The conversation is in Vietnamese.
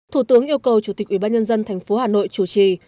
thủ tướng yêu cầu chủ tịch ủy ban nhân dân tp hà nội chủ trì